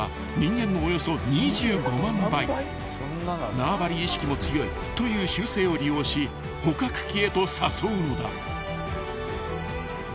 ［縄張り意識も強いという習性を利用し捕獲器へと誘うのだ］